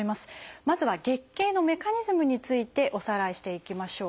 まずは月経のメカニズムについておさらいしていきましょう。